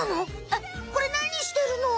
えっこれなにしてるの？